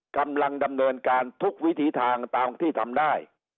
กำลังดำเนินการทุกวิถีทางตามที่ทำได้